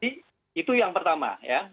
jadi itu yang pertama ya